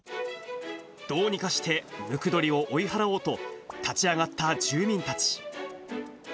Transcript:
どうにかしてムクドリを追い払おうと、立ち上がった住民たち。